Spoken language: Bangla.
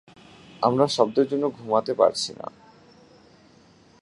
আমরা শব্দের জন্যে ঘুমাতে পারছি না।